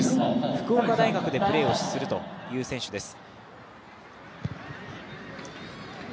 福岡大学でプレーをする選手です。